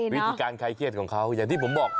วิธีการคลายเครียดของเขาอย่างที่ผมบอก